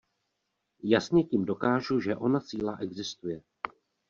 Jasně tím dokážu, že ona síla existuje.